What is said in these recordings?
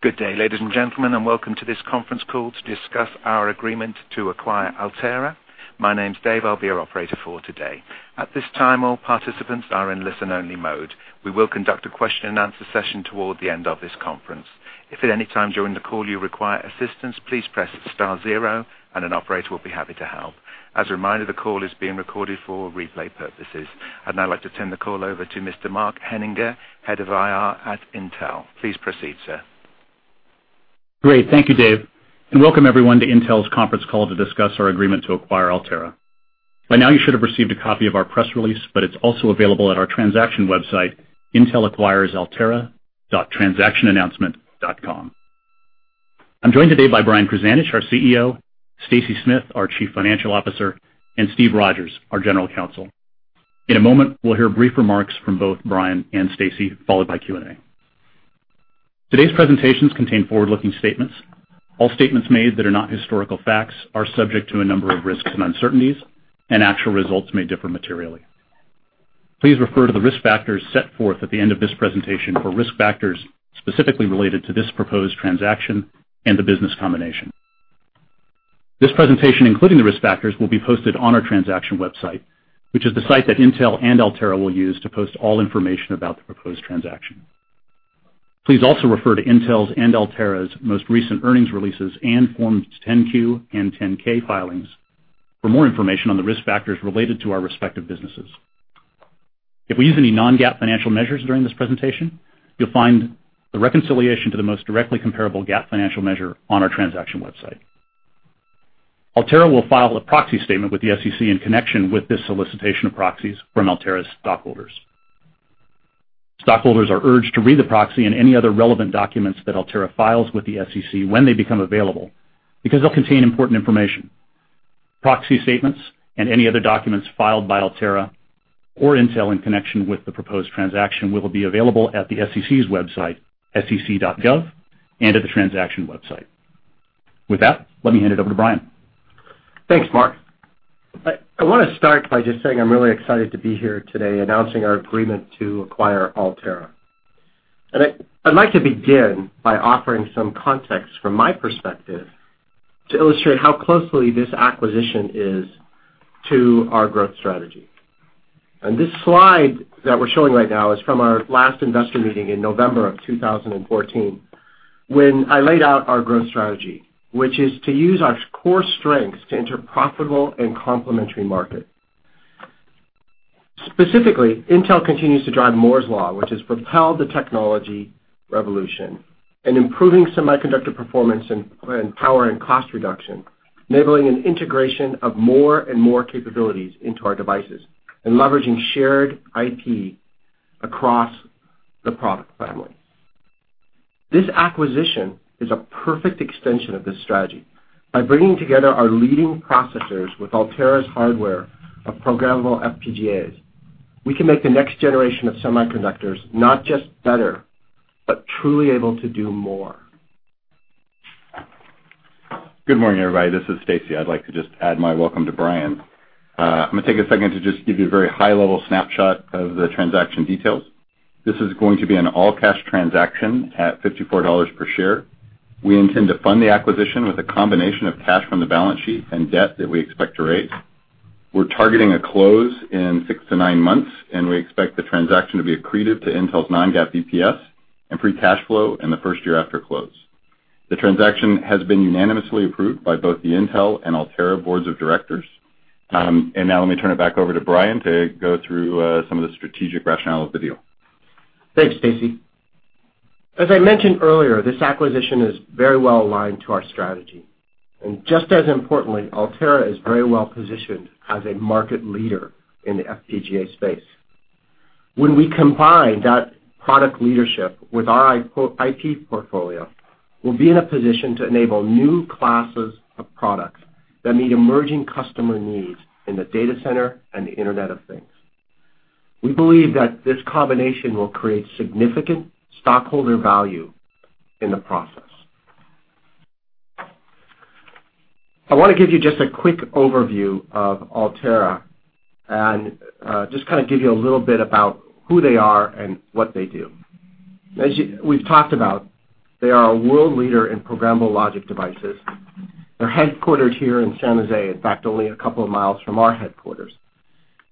Good day, ladies and gentlemen, welcome to this conference call to discuss our agreement to acquire Altera. My name's Dave. I'll be your operator for today. At this time, all participants are in listen-only mode. We will conduct a question and answer session toward the end of this conference. If at any time during the call you require assistance, please press star zero and an operator will be happy to help. As a reminder, the call is being recorded for replay purposes. I'd now like to turn the call over to Mr. Mark Henninger, Head of IR at Intel. Please proceed, sir. Great. Thank you, Dave, welcome everyone to Intel's conference call to discuss our agreement to acquire Altera. By now you should have received a copy of our press release, but it's also available at our transaction website, intelacquiresaltera.transactionannouncement.com. I'm joined today by Brian Krzanich, our CEO, Stacy Smith, our Chief Financial Officer, and Steve Rodgers, our General Counsel. In a moment, we'll hear brief remarks from both Brian and Stacy, followed by Q&A. Today's presentations contain forward-looking statements. All statements made that are not historical facts are subject to a number of risks and uncertainties, and actual results may differ materially. Please refer to the risk factors set forth at the end of this presentation for risk factors specifically related to this proposed transaction and the business combination. This presentation, including the risk factors, will be posted on our transaction website, which is the site that Intel and Altera will use to post all information about the proposed transaction. Please also refer to Intel's and Altera's most recent earnings releases and Forms 10-Q and 10-K filings for more information on the risk factors related to our respective businesses. If we use any non-GAAP financial measures during this presentation, you'll find the reconciliation to the most directly comparable GAAP financial measure on our transaction website. Altera will file a proxy statement with the SEC in connection with this solicitation of proxies from Altera's stockholders. Stockholders are urged to read the proxy and any other relevant documents that Altera files with the SEC when they become available, because they'll contain important information. Proxy statements and any other documents filed by Altera or Intel in connection with the proposed transaction will be available at the SEC's website, sec.gov, and at the transaction website. With that, let me hand it over to Brian. Thanks, Mark. I want to start by just saying I'm really excited to be here today announcing our agreement to acquire Altera. I'd like to begin by offering some context from my perspective to illustrate how closely this acquisition is to our growth strategy. This slide that we're showing right now is from our last investor meeting in November of 2014, when I laid out our growth strategy, which is to use our core strengths to enter profitable and complementary markets. Specifically, Intel continues to drive Moore's Law, which has propelled the technology revolution in improving semiconductor performance and power and cost reduction, enabling an integration of more and more capabilities into our devices and leveraging shared IP across the product family. This acquisition is a perfect extension of this strategy. By bringing together our leading processors with Altera's hardware of programmable FPGAs, we can make the next generation of semiconductors not just better, but truly able to do more. Good morning, everybody. This is Stacy. I'd like to just add my welcome to Brian. I'm going to take a second to just give you a very high-level snapshot of the transaction details. This is going to be an all-cash transaction at $54 per share. We intend to fund the acquisition with a combination of cash from the balance sheet and debt that we expect to raise. We're targeting a close in six to nine months, and we expect the transaction to be accretive to Intel's non-GAAP EPS and free cash flow in the first year after close. The transaction has been unanimously approved by both the Intel and Altera boards of directors. Now let me turn it back over to Brian to go through some of the strategic rationale of the deal. Thanks, Stacy. As I mentioned earlier, this acquisition is very well aligned to our strategy. Just as importantly, Altera is very well positioned as a market leader in the FPGA space. When we combine that product leadership with our IP portfolio, we'll be in a position to enable new classes of products that meet emerging customer needs in the data center and the Internet of Things. We believe that this combination will create significant stockholder value in the process. I want to give you just a quick overview of Altera and just kind of give you a little bit about who they are and what they do. As we've talked about, they are a world leader in programmable logic devices. They're headquartered here in San Jose, in fact, only a couple of miles from our headquarters.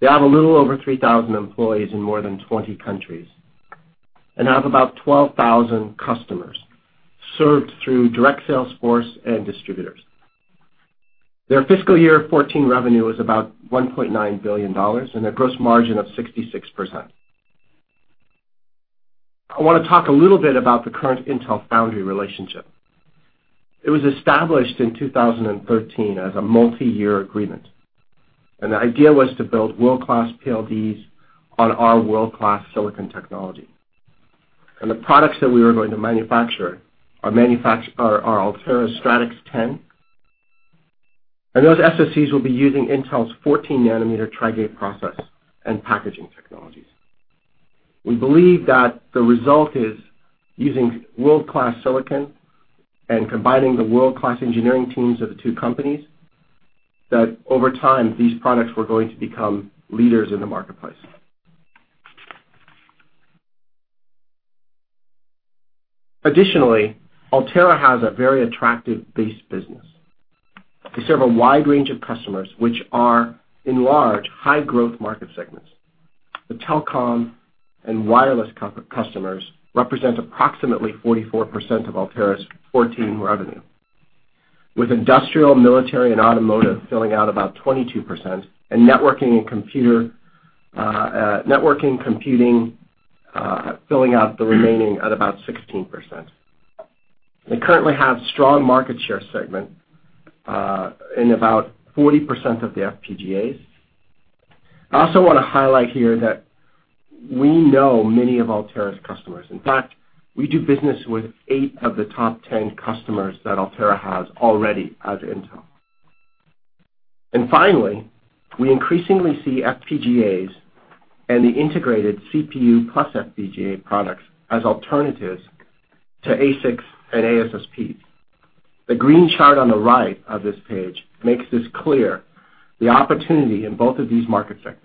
They have a little over 3,000 employees in more than 20 countries and have about 12,000 customers served through direct sales force and distributors. Their fiscal year 2014 revenue was about $1.9 billion and a gross margin of 66%. I want to talk a little bit about the current Intel foundry relationship. It was established in 2013 as a multi-year agreement, and the idea was to build world-class PLDs on our world-class silicon technology. The products that we were going to manufacture are Altera Stratix 10, and those SoCs will be using Intel's 14 nanometer Tri-Gate process and packaging technologies. We believe that the result is using world-class silicon and combining the world-class engineering teams of the two companies. Over time, these products were going to become leaders in the marketplace. Additionally, Altera has a very attractive base business. We serve a wide range of customers which are, in large, high growth market segments. The telecom and wireless customers represent approximately 44% of Altera's 2014 revenue, with industrial, military, and automotive filling out about 22%, and networking and computing filling out the remaining at about 16%. We currently have strong market share segment in about 40% of the FPGAs. I also want to highlight here that we know many of Altera's customers. In fact, we do business with eight of the top 10 customers that Altera has already as Intel. Finally, we increasingly see FPGAs and the integrated CPU plus FPGA products as alternatives to ASICs and ASSPs. The green chart on the right of this page makes this clear, the opportunity in both of these market segments.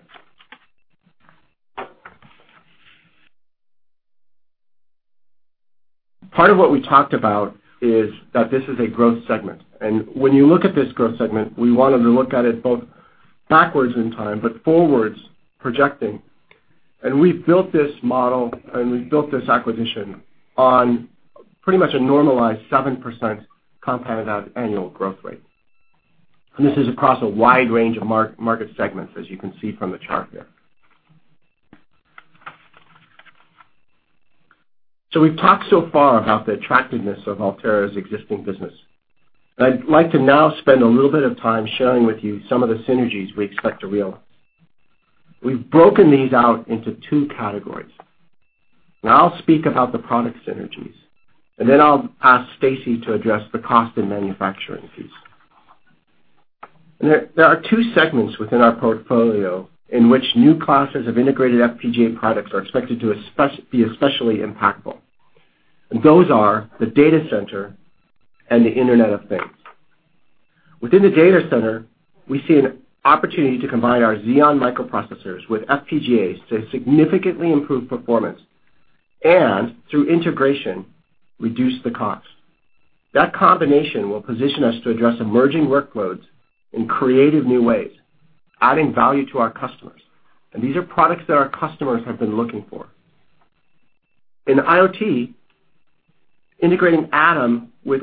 Part of what we talked about is that this is a growth segment. When you look at this growth segment, we wanted to look at it both backwards in time, but forwards projecting. We've built this model and we've built this acquisition on pretty much a normalized 7% compounded annual growth rate. This is across a wide range of market segments, as you can see from the chart there. We've talked so far about the attractiveness of Altera's existing business. I'd like to now spend a little bit of time sharing with you some of the synergies we expect to realize. We've broken these out into two categories. Now I'll speak about the product synergies, then I'll ask Stacy to address the cost and manufacturing piece. There are two segments within our portfolio in which new classes of integrated FPGA products are expected to be especially impactful, and those are the data center and the Internet of Things. Within the data center, we see an opportunity to combine our Xeon microprocessors with FPGAs to significantly improve performance and, through integration, reduce the cost. That combination will position us to address emerging workloads in creative new ways, adding value to our customers. These are products that our customers have been looking for. In IoT, integrating Atom with FPGAs will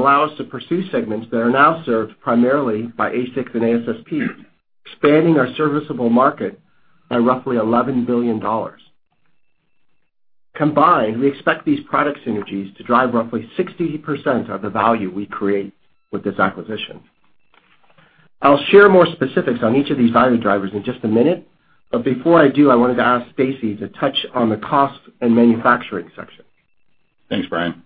allow us to pursue segments that are now served primarily by ASICs and ASSPs, expanding our serviceable market by roughly $11 billion. Combined, we expect these product synergies to drive roughly 60% of the value we create with this acquisition. I'll share more specifics on each of these value drivers in just a minute, but before I do, I wanted to ask Stacy to touch on the cost and manufacturing section. Thanks, Brian.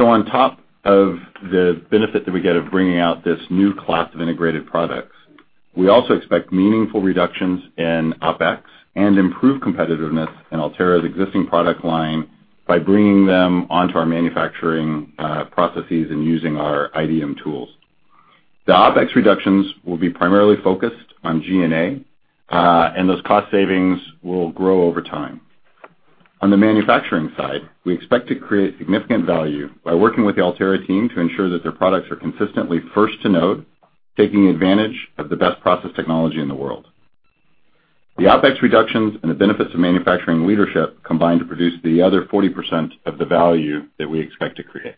On top of the benefit that we get of bringing out this new class of integrated products, we also expect meaningful reductions in OpEx and improved competitiveness in Altera's existing product line by bringing them onto our manufacturing processes and using our IDM tools. The OpEx reductions will be primarily focused on G&A, and those cost savings will grow over time. On the manufacturing side, we expect to create significant value by working with the Altera team to ensure that their products are consistently first to node, taking advantage of the best process technology in the world. The OpEx reductions and the benefits of manufacturing leadership combine to produce the other 40% of the value that we expect to create.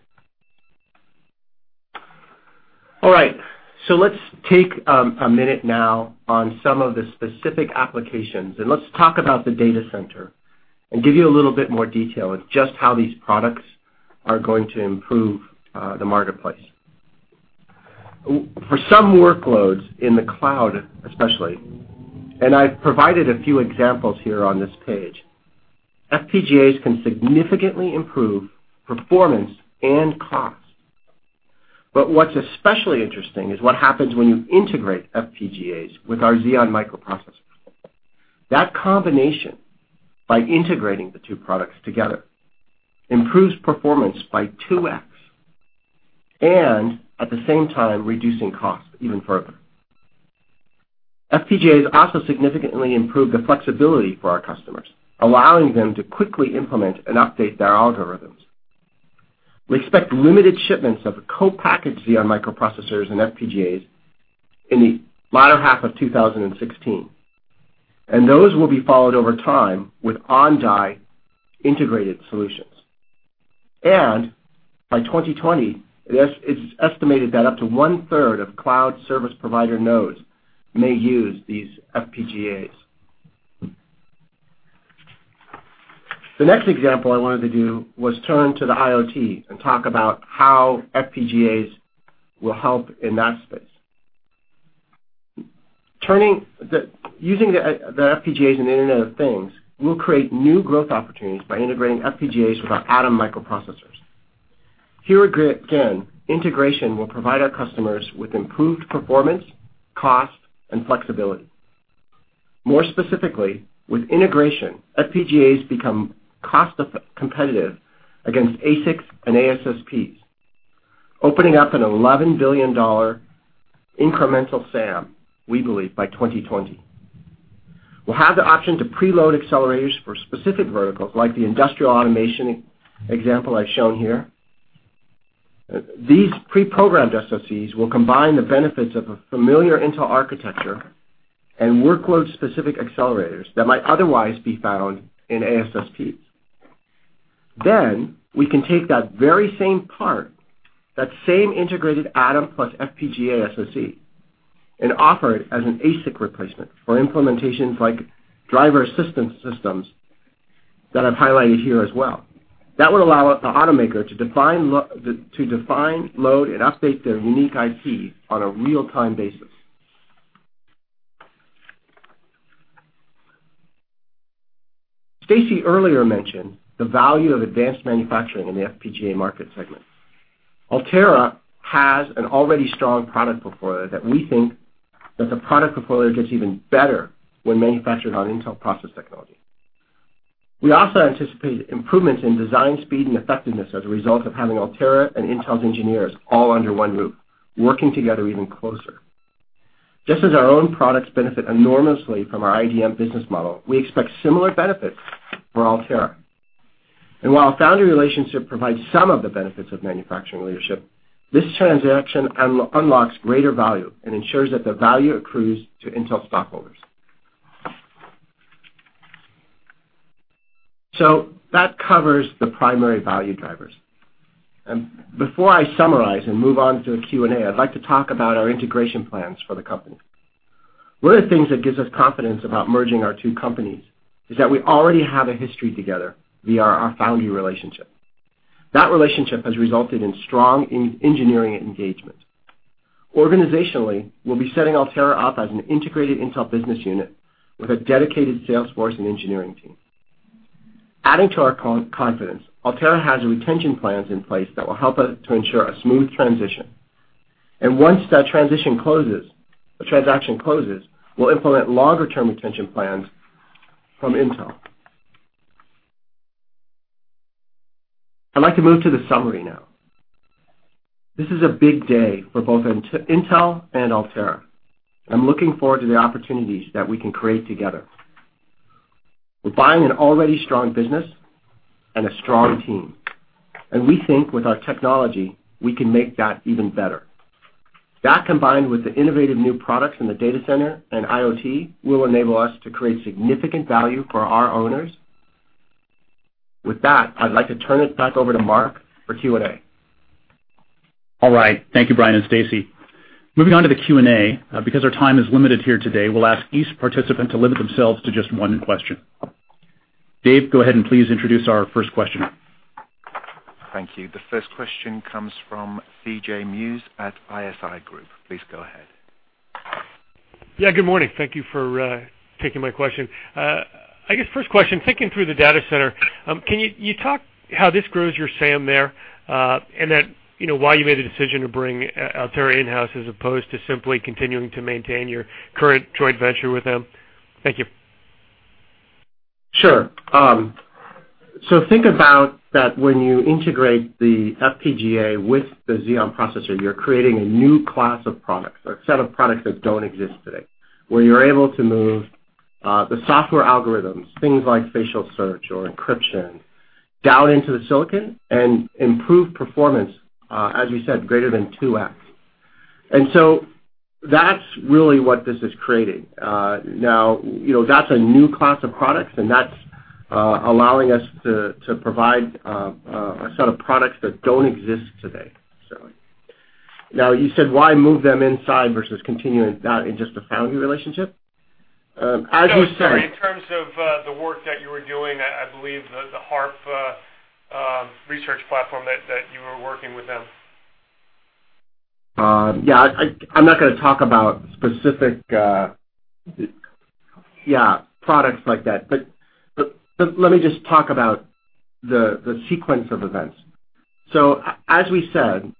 All right. Let's take a minute now on some of the specific applications, and let's talk about the data center and give you a little bit more detail of just how these products are going to improve the marketplace. For some workloads in the cloud especially, and I've provided a few examples here on this page, FPGAs can significantly improve performance and cost. What's especially interesting is what happens when you integrate FPGAs with our Xeon microprocessors. That combination, by integrating the two products together, improves performance by 2X, and at the same time reducing cost even further. FPGAs also significantly improve the flexibility for our customers, allowing them to quickly implement and update their algorithms. We expect limited shipments of co-packaged Xeon microprocessors and FPGAs in the latter half of 2016, and those will be followed over time with on-die integrated solutions. By 2020, it's estimated that up to one-third of cloud service provider nodes may use these FPGAs. The next example I wanted to do was turn to the IoT and talk about how FPGAs will help in that space. Using the FPGAs in the Internet of Things will create new growth opportunities by integrating FPGAs with our Atom microprocessors. Here again, integration will provide our customers with improved performance, cost, and flexibility. More specifically, with integration, FPGAs become cost competitive against ASICs and ASSPs, opening up an $11 billion incremental SAM, we believe, by 2020. We'll have the option to preload accelerators for specific verticals, like the industrial automation example I've shown here. These pre-programmed SoCs will combine the benefits of a familiar Intel architecture and workload-specific accelerators that might otherwise be found in ASSPs. We can take that very same part, that same integrated Atom plus FPGA SoC, and offer it as an ASIC replacement for implementations like driver assistance systems that I've highlighted here as well. That would allow the automaker to define, load, and update their unique IP on a real-time basis. Stacy earlier mentioned the value of advanced manufacturing in the FPGA market segment. Altera has an already strong product portfolio that we think that the product portfolio gets even better when manufactured on Intel process technology. We also anticipate improvements in design speed and effectiveness as a result of having Altera and Intel's engineers all under one roof, working together even closer. Just as our own products benefit enormously from our IDM business model, we expect similar benefits for Altera. While a foundry relationship provides some of the benefits of manufacturing leadership, this transaction unlocks greater value and ensures that the value accrues to Intel stockholders. That covers the primary value drivers. Before I summarize and move on to a Q&A, I'd like to talk about our integration plans for the company. One of the things that gives us confidence about merging our two companies is that we already have a history together via our foundry relationship. That relationship has resulted in strong engineering engagement. Organizationally, we'll be setting Altera up as an integrated Intel business unit with a dedicated sales force and engineering team. Adding to our confidence, Altera has retention plans in place that will help us to ensure a smooth transition. And once that transition closes, the transaction closes, we'll implement longer-term retention plans from Intel. I'd like to move to the summary now. This is a big day for both Intel and Altera. I'm looking forward to the opportunities that we can create together. We're buying an already strong business and a strong team, and we think with our technology, we can make that even better. That, combined with the innovative new products in the data center and IoT, will enable us to create significant value for our owners. With that, I'd like to turn it back over to Mark for Q&A. All right. Thank you, Brian and Stacy. Moving on to the Q&A, because our time is limited here today, we'll ask each participant to limit themselves to just one question. Dave, go ahead and please introduce our first question. Thank you. The first question comes from C.J. Muse at Evercore ISI. Please go ahead. Good morning. Thank you for taking my question. First question, thinking through the data center, can you talk how this grows your SAM there, and then why you made a decision to bring Altera in-house as opposed to simply continuing to maintain your current joint venture with them? Thank you. Sure. Think about that when you integrate the FPGA with the Xeon processor, you're creating a new class of products or a set of products that don't exist today, where you're able to move the software algorithms, things like facial search or encryption, down into the silicon and improve performance, as you said, greater than 2x. That's really what this is creating. That's a new class of products, and that's allowing us to provide a set of products that don't exist today. You said why move them inside versus continuing that in just a foundry relationship? No, sorry, in terms of the work that you were doing, I believe the HARP research platform that you were working with them. I'm not going to talk about specific products like that. Let me just talk about the sequence of events. As we said,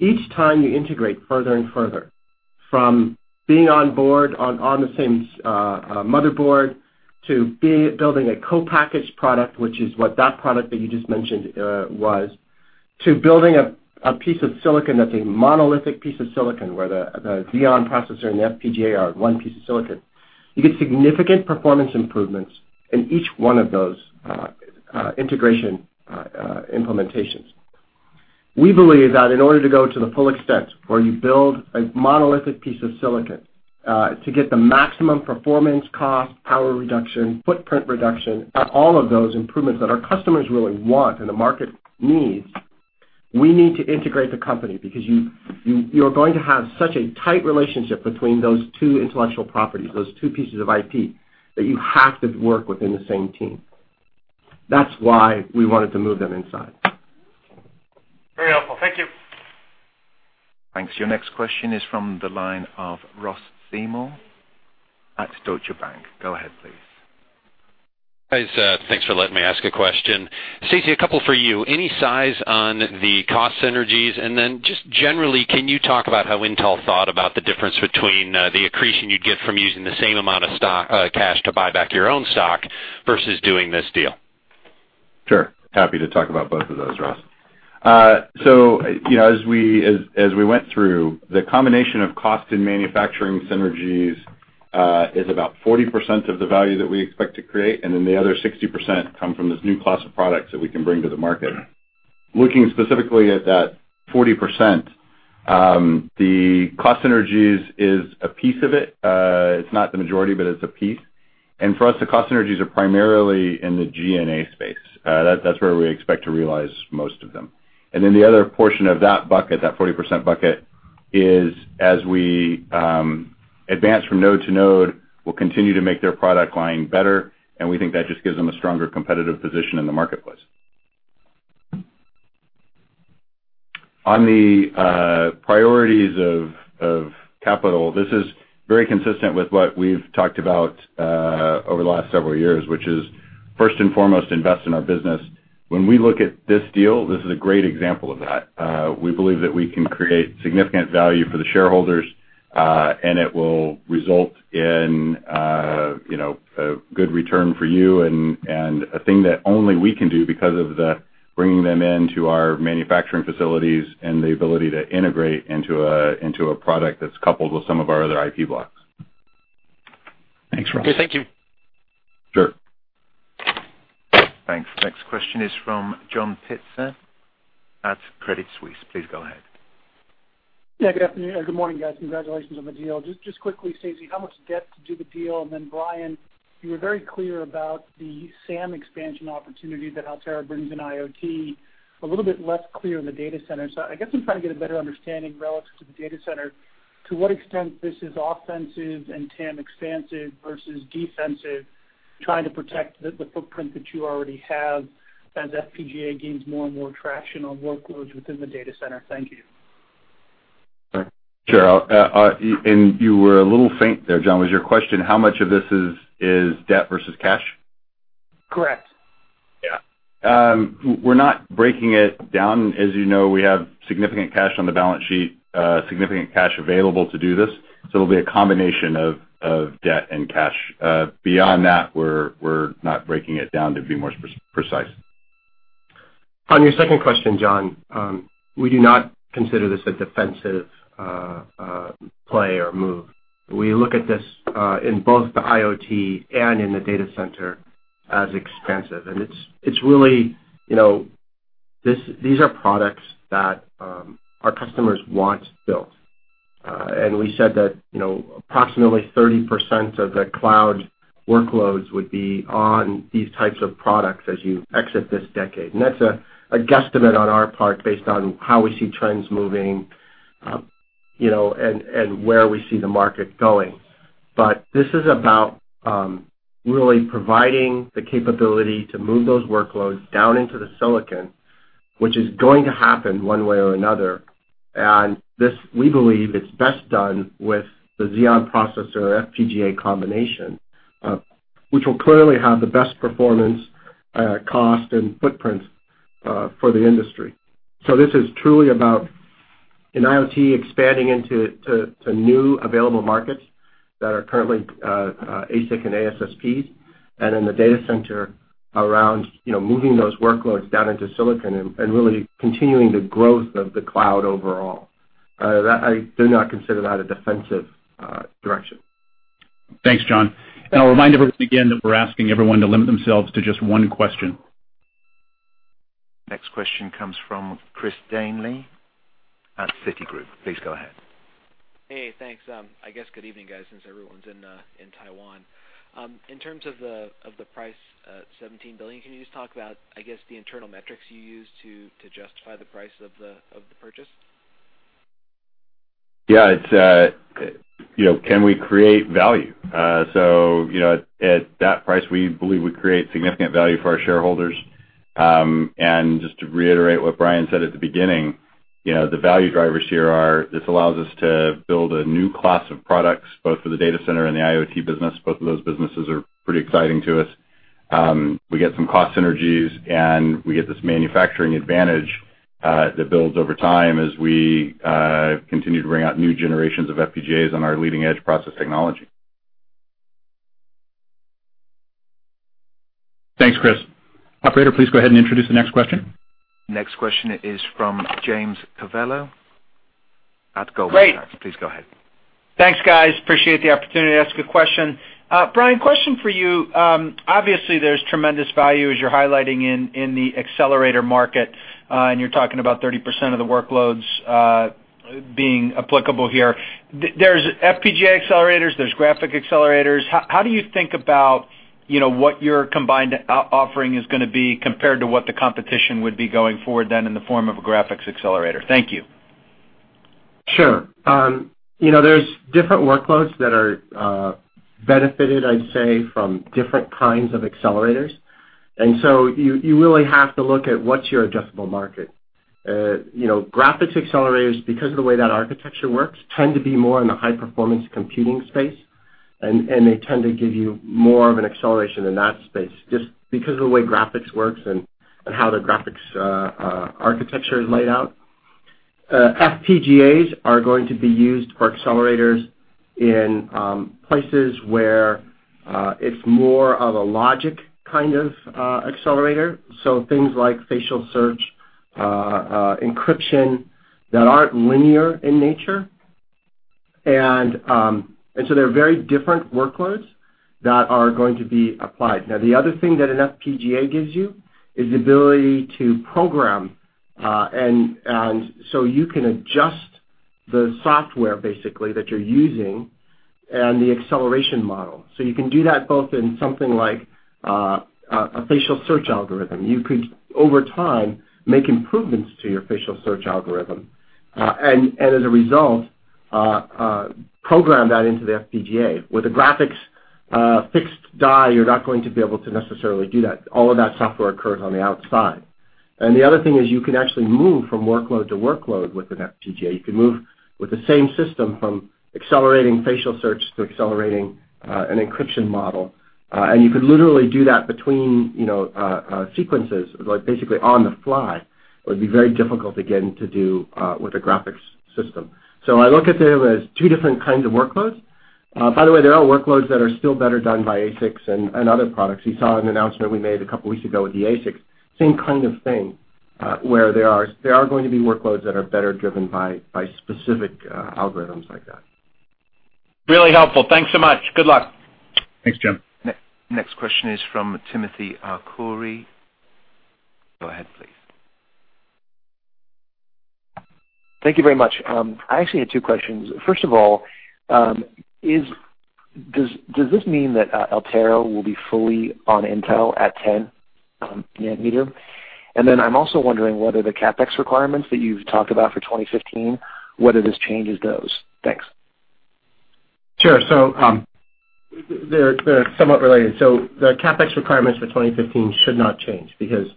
each time you integrate further and further from being on board on the same motherboard to building a co-packaged product, which is what that product that you just mentioned was, to building a piece of silicon that's a monolithic piece of silicon where the Xeon processor and the FPGA are one piece of silicon. You get significant performance improvements in each one of those integration implementations. We believe that in order to go to the full extent where you build a monolithic piece of silicon to get the maximum performance cost, power reduction, footprint reduction, all of those improvements that our customers really want and the market needs, we need to integrate the company because you're going to have such a tight relationship between those two intellectual properties, those two pieces of IP, that you have to work within the same team. That's why we wanted to move them inside. Very helpful. Thank you. Thanks. Your next question is from the line of Ross Seymore at Deutsche Bank. Go ahead, please. Guys, thanks for letting me ask a question. Stacy, a couple for you. Any size on the cost synergies? Just generally, can you talk about how Intel thought about the difference between the accretion you'd get from using the same amount of cash to buy back your own stock versus doing this deal? Sure. Happy to talk about both of those, Ross. As we went through, the combination of cost and manufacturing synergies is about 40% of the value that we expect to create, then the other 60% come from this new class of products that we can bring to the market. Looking specifically at that 40%, the cost synergies is a piece of it. It's not the majority, but it's a piece. For us, the cost synergies are primarily in the G&A space. That's where we expect to realize most of them. Then the other portion of that bucket, that 40% bucket, is as we advance from node to node, we'll continue to make their product line better, and we think that just gives them a stronger competitive position in the marketplace. On the priorities of capital, this is very consistent with what we've talked about over the last several years, which is, first and foremost, invest in our business. When we look at this deal, this is a great example of that. We believe that we can create significant value for the shareholders, it will result in a good return for you and a thing that only we can do because of the bringing them into our manufacturing facilities and the ability to integrate into a product that's coupled with some of our other IP blocks. Thanks, Ross. Sure. Thanks. Next question is from John Pitzer at Credit Suisse. Please go ahead. Yeah, good morning, guys. Congratulations on the deal. Just quickly, Stacy, how much debt to do the deal? Brian, you were very clear about the SAM expansion opportunity that Altera brings in IoT, a little bit less clear in the data center. I guess I'm trying to get a better understanding relative to the data center, to what extent this is offensive and TAM expansive versus defensive, trying to protect the footprint that you already have as FPGA gains more and more traction on workloads within the data center. Thank you. Sure. You were a little faint there, John. Was your question how much of this is debt versus cash? Correct. Yeah. We're not breaking it down. As you know, we have significant cash on the balance sheet, significant cash available to do this. It'll be a combination of debt and cash. Beyond that, we're not breaking it down to be more precise. On your second question, John, we do not consider this a defensive play or move. We look at this in both the IoT and in the data center as expansive. These are products that our customers want built. We said that approximately 30% of the cloud workloads would be on these types of products as you exit this decade. That's a guesstimate on our part based on how we see trends moving, and where we see the market going. This is about really providing the capability to move those workloads down into the silicon, which is going to happen one way or another. This, we believe, is best done with the Xeon processor FPGA combination, which will clearly have the best performance, cost, and footprint for the industry. This is truly about, in IoT, expanding into new available markets that are currently ASIC and ASSPs, and in the data center around moving those workloads down into silicon and really continuing the growth of the cloud overall. I do not consider that a defensive direction. Thanks, John. I'll remind everyone again that we're asking everyone to limit themselves to just one question. Next question comes from Christopher Danely at Citigroup. Please go ahead. Hey, thanks. I guess good evening, guys, since everyone's in Taiwan. In terms of the price, $17 billion, can you just talk about, I guess, the internal metrics you used to justify the price of the purchase? Yeah. Can we create value? At that price, we believe we create significant value for our shareholders. Just to reiterate what Brian said at the beginning, the value drivers here are, this allows us to build a new class of products, both for the data center and the IoT business. Both of those businesses are pretty exciting to us. We get some cost synergies, and we get this manufacturing advantage that builds over time as we continue to bring out new generations of FPGAs on our leading-edge process technology. Thanks, Chris. Operator, please go ahead and introduce the next question. Next question is from Jim Covello at Goldman Sachs. Great. Please go ahead. Thanks, guys. Appreciate the opportunity to ask a question. Brian, question for you. Obviously, there's tremendous value as you're highlighting in the accelerator market, and you're talking about 30% of the workloads being applicable here. There's FPGA accelerators, there's graphic accelerators. How do you think about what your combined offering is going to be compared to what the competition would be going forward then in the form of a graphics accelerator? Thank you. Sure. There's different workloads that are benefited, I'd say, from different kinds of accelerators. You really have to look at what's your adjustable market. Graphics accelerators, because of the way that architecture works, tend to be more in the high-performance computing space, and they tend to give you more of an acceleration in that space, just because of the way graphics works and how the graphics architecture is laid out. FPGAs are going to be used for accelerators in places where it's more of a logic kind of accelerator, so things like facial search, encryption, that aren't linear in nature. They're very different workloads that are going to be applied. The other thing that an FPGA gives you is the ability to program, so you can adjust the software, basically, that you're using and the acceleration model. You can do that both in something like a facial search algorithm. You could, over time, make improvements to your facial search algorithm, and as a result, program that into the FPGA. With a graphics fixed die, you're not going to be able to necessarily do that. All of that software occurs on the outside. The other thing is you can actually move from workload to workload with an FPGA. You can move with the same system from accelerating facial search to accelerating an encryption model, and you could literally do that between sequences, basically on the fly. It would be very difficult, again, to do with a graphics system. I look at them as two different kinds of workloads. By the way, there are workloads that are still better done by ASICs and other products. You saw an announcement we made a couple weeks ago with the ASICs. Same kind of thing, where there are going to be workloads that are better driven by specific algorithms like that. Really helpful. Thanks so much. Good luck. Thanks, Jim. Next question is from Timothy Arcuri. Go ahead, please. Thank you very much. I actually had two questions. First of all, does this mean that Altera will be fully on Intel at 10 nanometer? I'm also wondering whether the CapEx requirements that you've talked about for 2015, whether this changes those. Thanks. Sure. They're somewhat related. The CapEx requirements for 2015 should not change because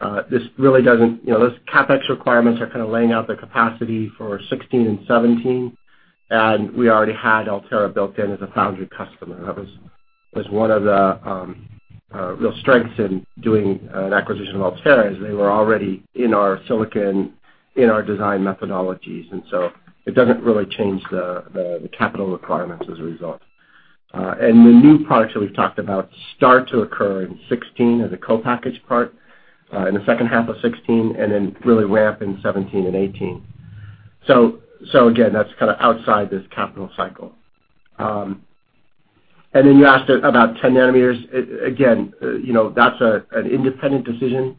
those CapEx requirements are kind of laying out the capacity for 2016 and 2017. We already had Altera built in as a foundry customer. That was one of the real strengths in doing an acquisition of Altera. They were already in our silicon, in our design methodologies. It doesn't really change the capital requirements as a result. The new products that we've talked about start to occur in 2016 as a co-package part, in the second half of 2016, then really ramp in 2017 and 2018. Again, that's kind of outside this capital cycle. You asked about 10 nanometers. Again, that's an independent decision.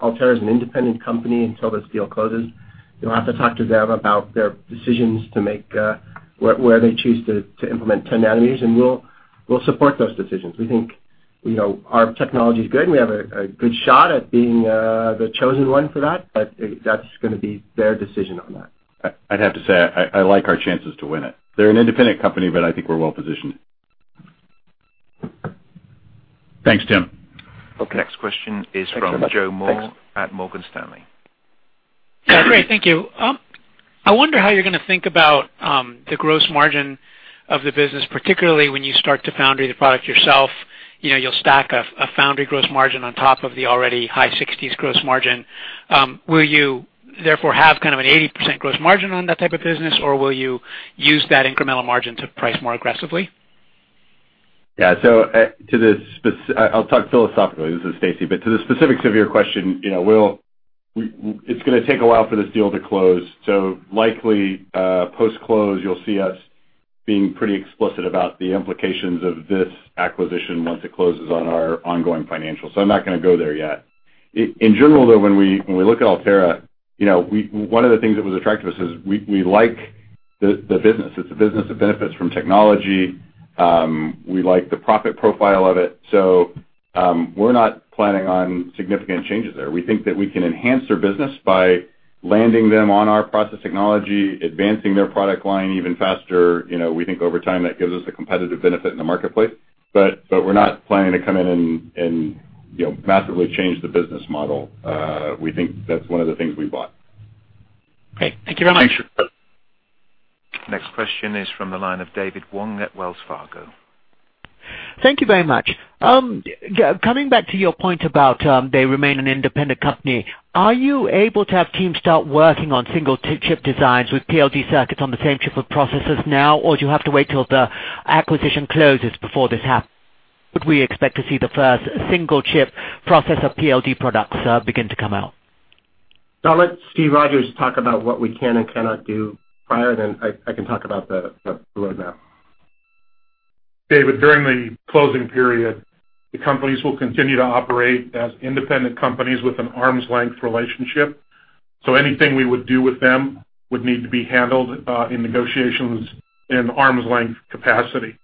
Altera is an independent company until this deal closes. You'll have to talk to them about their decisions to make, where they choose to implement 10 nanometers, and we'll support those decisions. We think our technology is good, and we have a good shot at being the chosen one for that, but that's going to be their decision on that. I'd have to say, I like our chances to win it. They're an independent company, but I think we're well-positioned. Thanks, Tim. Okay. Next question is from Joseph Moore at Morgan Stanley. Great, thank you. I wonder how you're going to think about the gross margin of the business, particularly when you start to foundry the product yourself. You'll stack a foundry gross margin on top of the already high 60s gross margin. Will you therefore have kind of an 80% gross margin on that type of business, or will you use that incremental margin to price more aggressively? Yeah. I'll talk philosophically. This is Stacy. To the specifics of your question, it's going to take a while for this deal to close. Likely, post-close, you'll see us being pretty explicit about the implications of this acquisition once it closes on our ongoing financials. I'm not going to go there yet. In general, though, when we look at Altera, one of the things that was attractive to us is we like the business. It's a business that benefits from technology. We like the profit profile of it. We're not planning on significant changes there. We think that we can enhance their business by landing them on our process technology, advancing their product line even faster. We think over time that gives us a competitive benefit in the marketplace. We're not planning to come in and massively change the business model. We think that's one of the things we bought. Great. Thank you very much. Next question is from the line of David Wong at Wells Fargo. Thank you very much. Coming back to your point about they remain an independent company, are you able to have teams start working on single chip designs with PLD circuits on the same chip of processors now, or do you have to wait till the acquisition closes before this happens? Would we expect to see the first single chip processor PLD products begin to come out? I'll let Steven Rodgers talk about what we can and cannot do prior, then I can talk about the road map. David, during the closing period, the companies will continue to operate as independent companies with an arm's length relationship. Anything we would do with them would need to be handled in negotiations in arm's length capacity.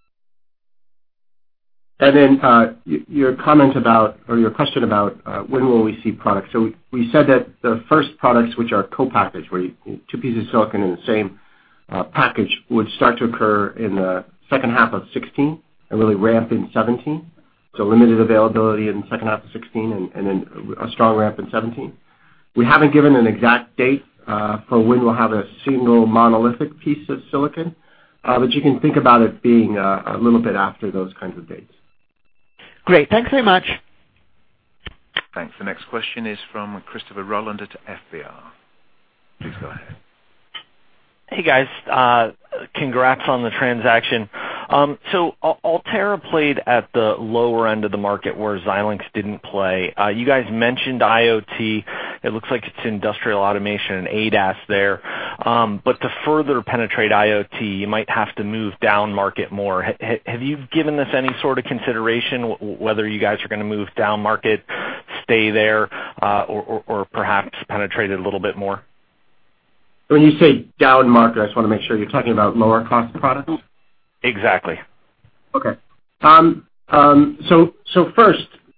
Your comment about, or your question about when will we see products. We said that the first products, which are co-package, where two pieces of silicon in the same package would start to occur in the second half of 2016 and really ramp in 2017. Limited availability in the second half of 2016 and then a strong ramp in 2017. We haven't given an exact date for when we'll have a single monolithic piece of silicon, but you can think about it being a little bit after those kinds of dates. Great. Thanks very much. Thanks. The next question is from Christopher Rolland at FBR. Please go ahead. Hey, guys. Congrats on the transaction. Altera played at the lower end of the market where Xilinx didn't play. You guys mentioned IoT. It looks like it's industrial automation and ADAS there. To further penetrate IoT, you might have to move downmarket more. Have you given this any sort of consideration whether you guys are going to move downmarket, stay there, or perhaps penetrate it a little bit more? When you say downmarket, I just want to make sure you're talking about lower cost products? Exactly. Okay. First,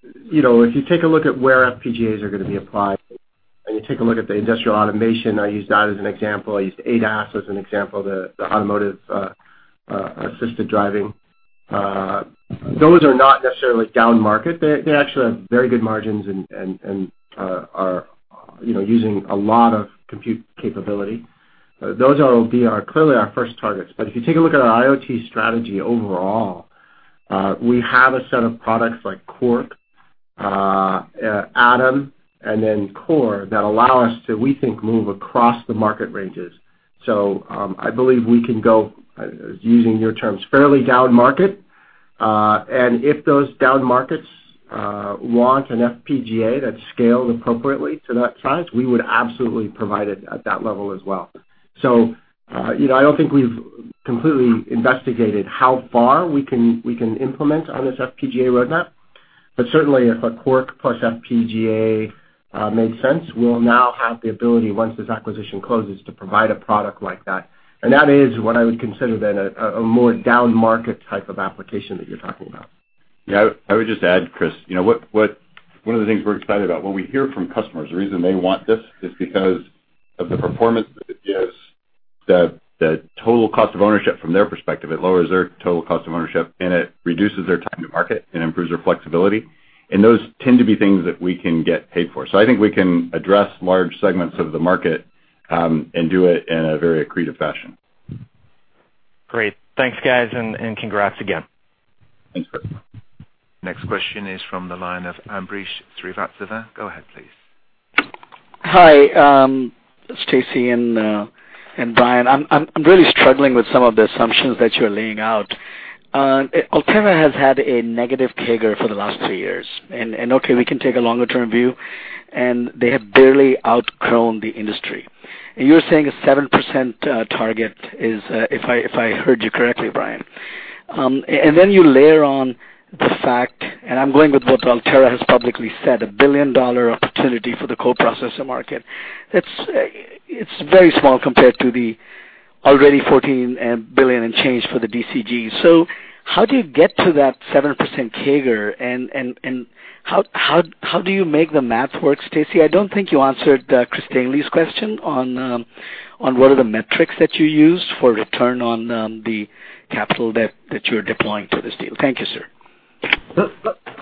if you take a look at where FPGAs are going to be applied, you take a look at the industrial automation, I used that as an example. I used ADAS as an example, the automotive assisted driving. Those are not necessarily downmarket. They actually have very good margins and are using a lot of compute capability. Those will be clearly our first targets. If you take a look at our IoT strategy overall, we have a set of products like Quark, Atom, and then Core that allow us to, we think, move across the market ranges. I believe we can go, using your terms, fairly downmarket. If those downmarkets want an FPGA that's scaled appropriately to that size, we would absolutely provide it at that level as well. I don't think we've completely investigated how far we can implement on this FPGA roadmap. Certainly if a Quark plus FPGA makes sense, we'll now have the ability, once this acquisition closes, to provide a product like that. That is what I would consider then a more downmarket type of application that you're talking about. Yeah, I would just add, Chris, one of the things we're excited about, when we hear from customers, the reason they want this is because of the performance it gives, the total cost of ownership from their perspective, it lowers their total cost of ownership, and it reduces their time to market and improves their flexibility. Those tend to be things that we can get paid for. I think we can address large segments of the market, and do it in a very accretive fashion. Great. Thanks, guys, congrats again. Thanks. Next question is from the line of Ambrish Srivastava. Go ahead, please. Hi, Stacy and Brian. I'm really struggling with some of the assumptions that you're laying out. Altera has had a negative CAGR for the last three years. Okay, we can take a longer-term view, and they have barely outgrown the industry. You're saying a 7% target is, if I heard you correctly, Brian. Then you layer on the fact, I'm going with what Altera has publicly said, a billion-dollar opportunity for the co-processor market. It's very small compared to the already $14 billion in change for the DCG. How do you get to that 7% CAGR? How do you make the math work, Stacy? I don't think you answered Chris Danely's question on what are the metrics that you used for return on the capital that you're deploying to this deal. Thank you, sir. Look,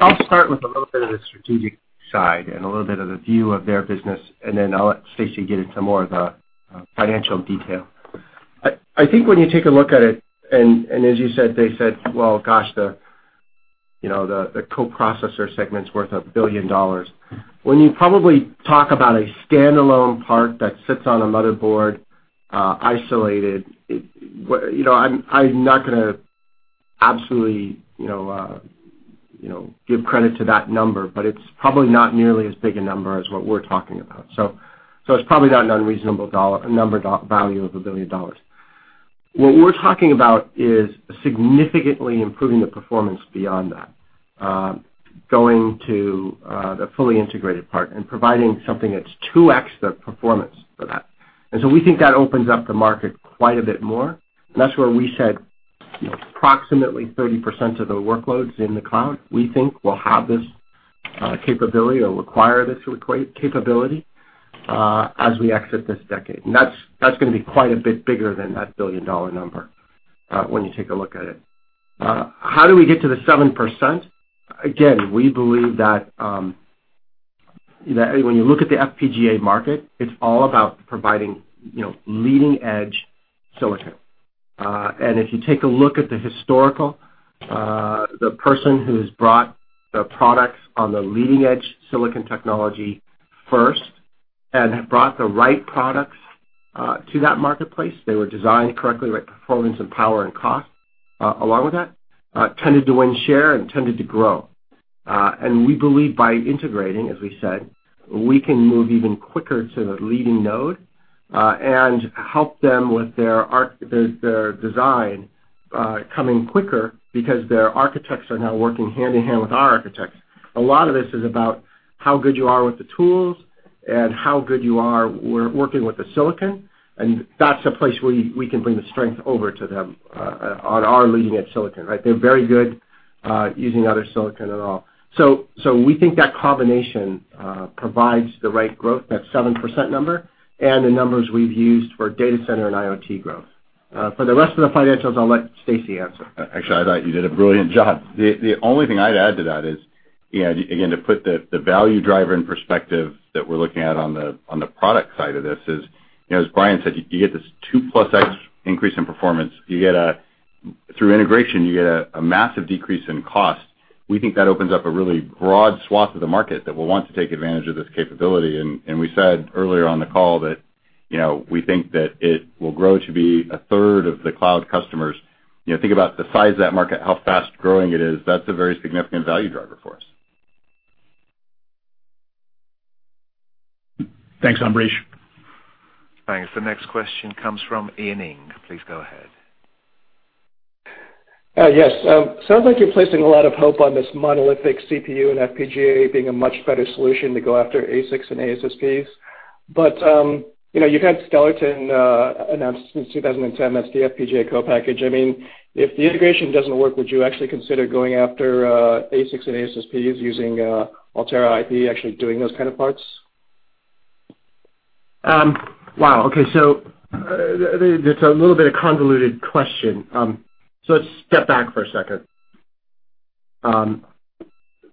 I'll start with a little bit of the strategic side and a little bit of the view of their business, and then I'll let Stacy get into more of the financial detail. I think when you take a look at it, as you said, they said, well, gosh, the co-processor segment's worth $1 billion. When you probably talk about a standalone part that sits on a motherboard, isolated, I'm not going to absolutely give credit to that number, but it's probably not nearly as big a number as what we're talking about. It's probably not an unreasonable number value of $1 billion. What we're talking about is significantly improving the performance beyond that. Going to the fully integrated part and providing something that's 2x the performance for that. We think that opens up the market quite a bit more. That's where we said approximately 30% of the workloads in the cloud, we think will have this capability or require this capability as we exit this decade. That's going to be quite a bit bigger than that billion-dollar number, when you take a look at it. How do we get to the 7%? We believe that when you look at the FPGA market, it's all about providing leading-edge silicon. If you take a look at the historical, the person who's brought the products on the leading-edge silicon technology first and have brought the right products to that marketplace, they were designed correctly, right performance and power and cost along with that, tended to win share and tended to grow. We believe by integrating, as we said, we can move even quicker to the leading node, and help them with their design coming quicker because their architects are now working hand-in-hand with our architects. A lot of this is about how good you are with the tools and how good you are working with the silicon. That's a place we can bring the strength over to them on our leading-edge silicon, right? They're very good- Using other silicon at all. We think that combination provides the right growth, that 7% number, and the numbers we've used for data center and IoT growth. For the rest of the financials, I'll let Stacy answer. Actually, I thought you did a brilliant job. The only thing I'd add to that is to put the value driver in perspective that we're looking at on the product side of this is, as Brian said, you get this two plus X increase in performance. Through integration, you get a massive decrease in cost. We think that opens up a really broad swath of the market that will want to take advantage of this capability. We said earlier on the call that we think that it will grow to be a third of the cloud customers. Think about the size of that market, how fast-growing it is. That's a very significant value driver for us. Thanks, Ambrish. Thanks. The next question comes from Ian Ng. Please go ahead. Yes. Sounds like you're placing a lot of hope on this monolithic CPU and FPGA being a much better solution to go after ASICs and ASSPs. You've had Stellarton announced since 2010 as the FPGA co-package. If the integration doesn't work, would you actually consider going after ASICs and ASSPs using Altera IP, actually doing those kind of parts? Wow, okay. That's a little bit of convoluted question. Let's step back for a second.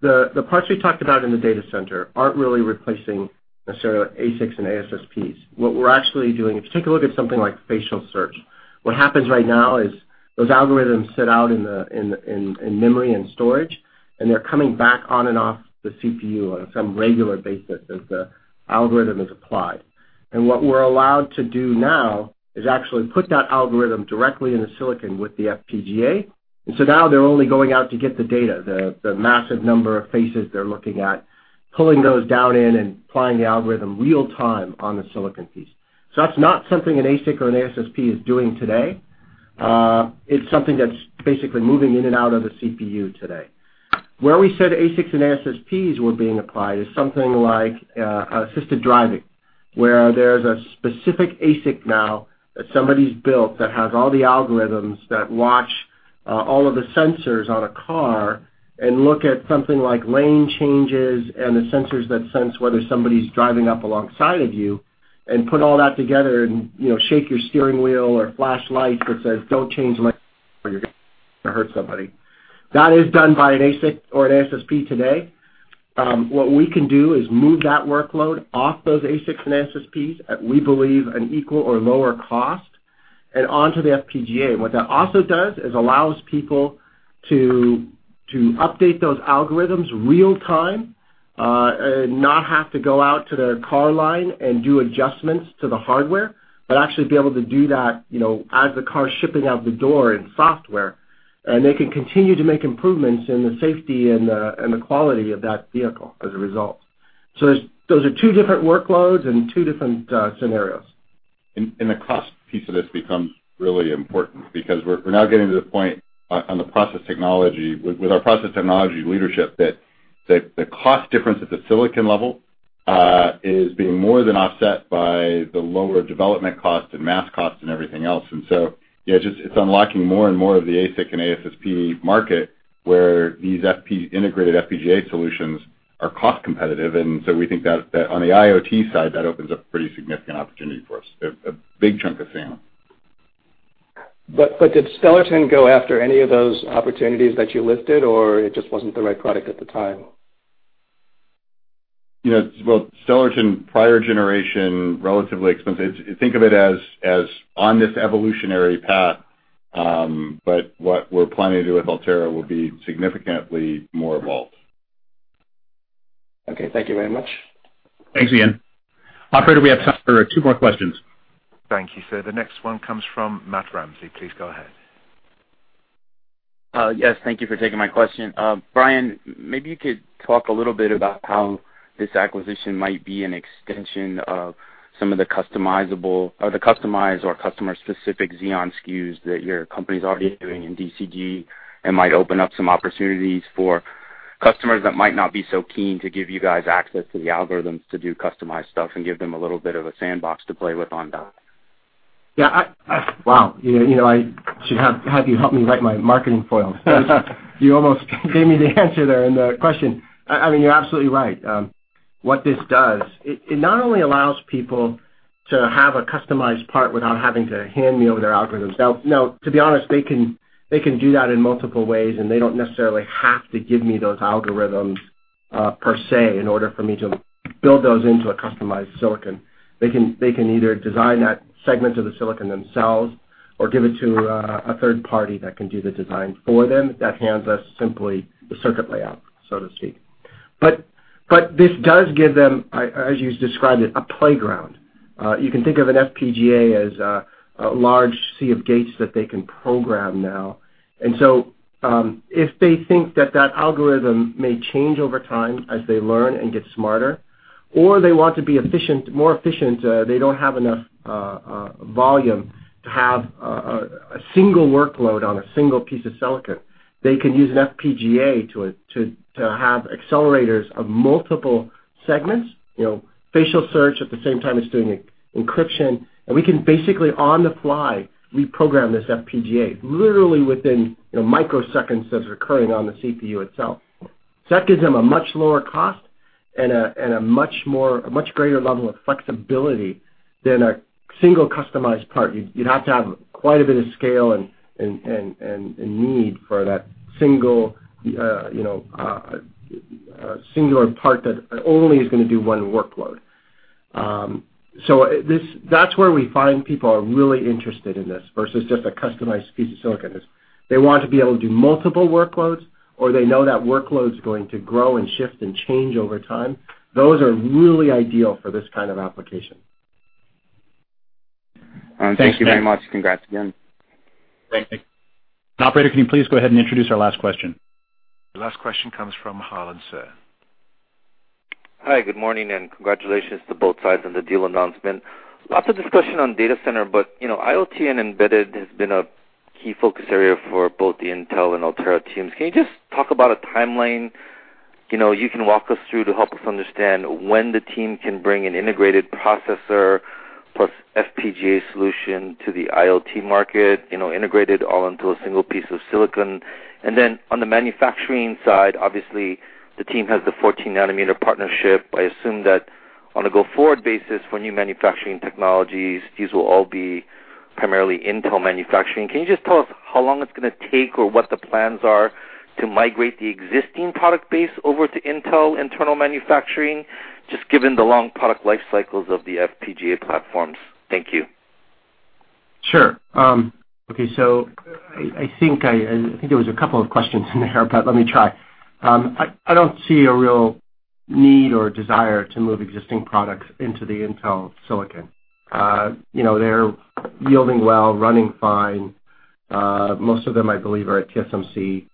The parts we talked about in the data center aren't really replacing necessarily ASICs and ASSPs. What we're actually doing, if you take a look at something like facial search, what happens right now is those algorithms sit out in memory and storage, and they're coming back on and off the CPU on some regular basis as the algorithm is applied. What we're allowed to do now is actually put that algorithm directly in the silicon with the FPGA. Now they're only going out to get the data, the massive number of faces they're looking at, pulling those down in and applying the algorithm real time on the silicon piece. That's not something an ASIC or an ASSP is doing today. It's something that's basically moving in and out of the CPU today. Where we said ASICs and ASSPs were being applied is something like assisted driving, where there's a specific ASIC now that somebody's built that has all the algorithms that watch all of the sensors on a car and look at something like lane changes and the sensors that sense whether somebody's driving up alongside of you, and put all that together and shake your steering wheel or flash lights that says, "Don't change lanes or you're going to hurt somebody." That is done by an ASIC or an ASSP today. What we can do is move that workload off those ASICs and ASSPs at we believe an equal or lower cost, and onto the FPGA. What that also does is allows people to update those algorithms real time, not have to go out to their car line and do adjustments to the hardware, but actually be able to do that as the car's shipping out the door in software. They can continue to make improvements in the safety and the quality of that vehicle as a result. Those are two different workloads and two different scenarios. The cost piece of this becomes really important because we're now getting to the point on the process technology, with our process technology leadership, that the cost difference at the silicon level is being more than offset by the lower development cost and mass cost and everything else. It's unlocking more and more of the ASIC and ASSP market where these integrated FPGA solutions are cost competitive. We think that on the IoT side, that opens up pretty significant opportunity for us, a big chunk of SAM. Did Stellarton go after any of those opportunities that you listed, or it just wasn't the right product at the time? Well, Stellarton prior generation, relatively expensive. Think of it as on this evolutionary path, but what we're planning to do with Altera will be significantly more evolved. Okay. Thank you very much. Thanks, Ian. Operator, we have time for two more questions. Thank you, sir. The next one comes from Matthew Ramsay. Please go ahead. Yes, thank you for taking my question. Brian, maybe you could talk a little bit about how this acquisition might be an extension of some of the customizable or the customized or customer specific Xeon SKUs that your company's already doing in DCG and might open up some opportunities for customers that might not be so keen to give you guys access to the algorithms to do customized stuff and give them a little bit of a sandbox to play with on that. Yeah. Wow. I should have had you help me write my marketing foil. You almost gave me the answer there in the question. I mean, you're absolutely right. What this does, it not only allows people to have a customized part without having to hand me over their algorithms. To be honest, they can do that in multiple ways, and they don't necessarily have to give me those algorithms per se, in order for me to build those into a customized silicon. They can either design that segment of the silicon themselves or give it to a third party that can do the design for them that hands us simply the circuit layout, so to speak. This does give them, as you described it, a playground. You can think of an FPGA as a large sea of gates that they can program now. If they think that that algorithm may change over time as they learn and get smarter, or they want to be more efficient, they don't have enough volume to have a single workload on a single piece of silicon, they can use an FPGA to have accelerators of multiple segments, facial search at the same time as doing encryption. We can basically on the fly reprogram this FPGA literally within microseconds that it's occurring on the CPU itself. That gives them a much lower cost and a much greater level of flexibility than a single customized part. You'd have to have quite a bit of scale and need for that singular part that only is going to do one workload. That's where we find people are really interested in this versus just a customized piece of silicon. They want to be able to do multiple workloads, or they know that workload's going to grow and shift and change over time. Those are really ideal for this kind of application. Thank you very much. Congrats again. Thank you. Operator, can you please go ahead and introduce our last question? The last question comes from Harlan Sur. Hi, good morning. Congratulations to both sides on the deal announcement. Lots of discussion on data center. IoT and embedded has been a key focus area for both the Intel and Altera teams. Can you just talk about a timeline you can walk us through to help us understand when the team can bring an integrated processor plus FPGA solution to the IoT market, integrated all into a single piece of silicon? Then on the manufacturing side, obviously the team has the 14-nanometer partnership. I assume that on a go-forward basis for new manufacturing technologies, these will all be primarily Intel manufacturing. Can you just tell us how long it's going to take or what the plans are to migrate the existing product base over to Intel internal manufacturing, just given the long product life cycles of the FPGA platforms? Thank you. Sure. Okay. I think there was a couple of questions in there, but let me try. I don't see a real need or desire to move existing products into the Intel silicon. They're yielding well, running fine. Most of them, I believe, are at TSMC,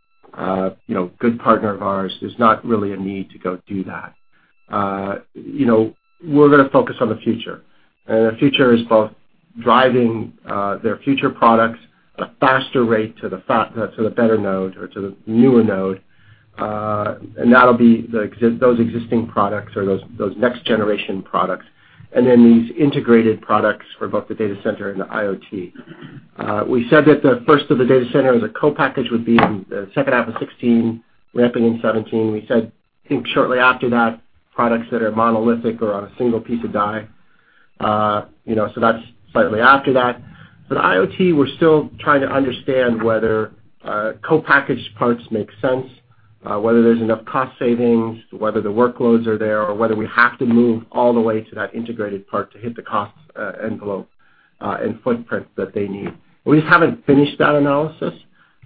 good partner of ours. There's not really a need to go do that. We're going to focus on the future, and the future is both driving their future products at a faster rate to the better node or to the newer node. That'll be those existing products or those next-generation products, and then these integrated products for both the data center and the IoT. We said that the first of the data center as a co-package would be in the second half of 2016, ramping in 2017. We said, I think, shortly after that, products that are monolithic or on a single piece of die. That's slightly after that. IoT, we're still trying to understand whether co-packaged parts make sense, whether there's enough cost savings, whether the workloads are there, or whether we have to move all the way to that integrated part to hit the cost envelope and footprint that they need. We just haven't finished that analysis.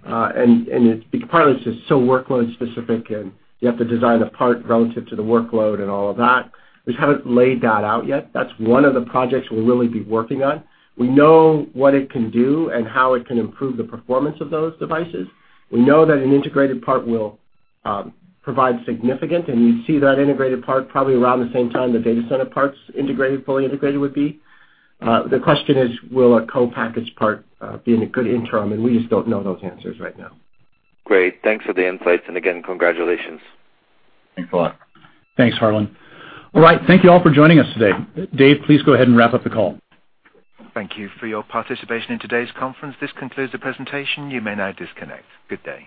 Part of it's just so workload-specific, and you have to design a part relative to the workload and all of that. We just haven't laid that out yet. That's one of the projects we'll really be working on. We know what it can do and how it can improve the performance of those devices. We know that an integrated part will provide significant, and you'd see that integrated part probably around the same time the data center part's fully integrated would be. The question is, will a co-packaged part be in a good interim? We just don't know those answers right now. Great. Thanks for the insights, and again, congratulations. Thanks a lot. Thanks, Harlan. All right. Thank you all for joining us today. Dave, please go ahead and wrap up the call. Thank you for your participation in today's conference. This concludes the presentation. You may now disconnect. Good day.